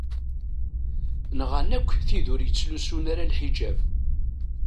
Nɣan akk tid ur yettlusun ara lḥijab.